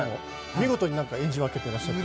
見事に演じ分けていらっしゃって。